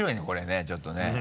これねちょっとね。